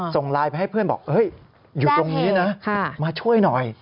ส่งไลน์ไปให้เพื่อนบอกอยู่ตรงนี้นะมาช่วยหน่อย